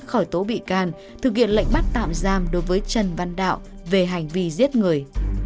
khởi tố bị can thực hiện lệnh bắt tạm giam đối với trần văn đạo về hành vi giết người